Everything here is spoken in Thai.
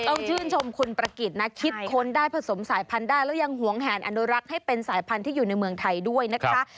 ต้องชื่นชมคุณประกิจนะคิดค้นได้ผสมสายพันธุ์ได้แล้วยังหวงแหนอนุรักษ์ให้เป็นสายพันธุ์ที่อยู่ในเมืองไทยด้วยนะคะ